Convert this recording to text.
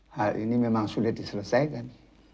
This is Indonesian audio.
hal ini memang sudah diselesaikan